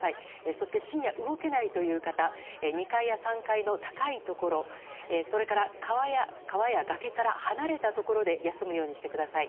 そして、深夜動けないという方２階や３階の高いところそれから川や崖から離れたところで休むようにしてください。